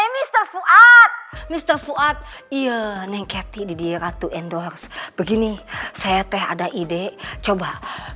mr fuad mr fuad iya neng ketik didirat to endorse begini saya teh ada ide coba